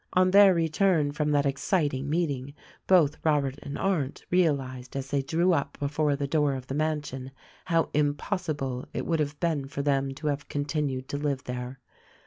On their return from that exciting meeting both Robert and Arndt realized as they drew up before the door of the mansion how impossible it would have been for them to have continued to live there.